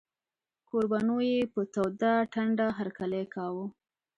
کوربنو یې په توده ټنډه هرکلی کاوه.